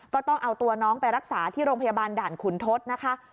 ก็ต้องเอาตัวน้องไปรักษาที่โรงพยาบาลด่านขุนทศนะคะ